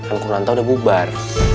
ankur lantau udah bubar